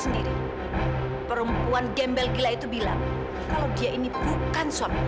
sekali sekali pikirin orang lain mama